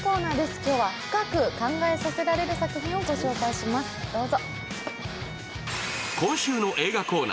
今日は深く考えさせられる作品を御紹介します、どうぞ。